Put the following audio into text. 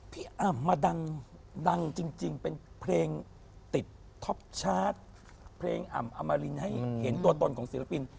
อ่ำมาดังจริงเป็นเพลงติดท็อปชาร์จเพลงอ่ำอมรินให้เห็นตัวตนของศิลปิน